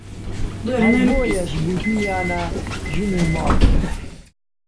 هەر بۆیەش گوتوویانە ژن و ماڵ